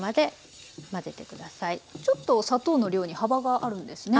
ちょっと砂糖の量に幅があるんですね？